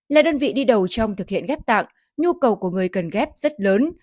là đơn vị đi đầu trong thực hiện ghép tạng nhu cầu của người cần ghép rất lớn